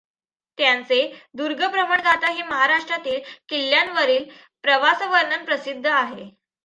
त्यांचे दुर्गभ्रमणगाथा हे महाराष्ट्रातील किल्ल्यांवरील प्रवासवर्णन प्रसिद्ध आहे.